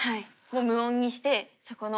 無音にしてそこの。